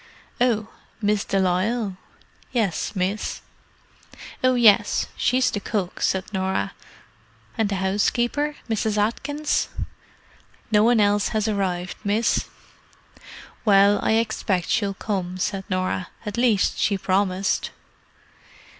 "Oh—Miss de Lisle?" "Yes, miss." "Oh, yes, she's the cook," said Norah. "And the housekeeper—Mrs. Atkins?" "No one else has arrived, miss." "Well, I expect she'll come," said Norah. "At least she promised."